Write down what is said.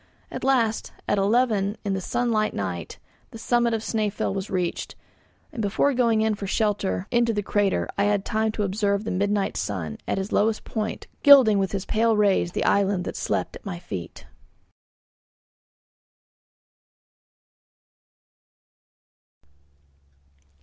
At last, at eleven in the sunlight night, the summit of Snæfell was reached, and before going in for shelter into the crater I had time to observe the midnight sun, at his lowest point, gilding with his pale rays the island that slept at my feet.